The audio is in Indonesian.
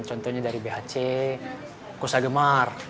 contohnya dari bhc kosa gemar